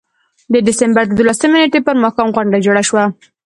د ډسمبر د دولسمې نېټې پر ماښام غونډه جوړه شوه.